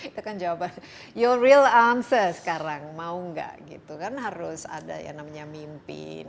itu kan jawaban your real onces sekarang mau nggak gitu kan harus ada yang namanya mimpi